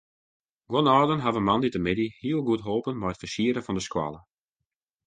Guon âlden hawwe moandeitemiddei heel goed holpen mei it fersieren fan de skoalle.